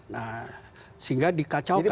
nah sehingga dikacaukan